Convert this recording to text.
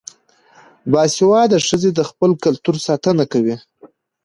باسواده ښځې د خپل کلتور ساتنه کوي.